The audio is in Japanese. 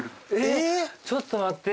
ちょっと待って。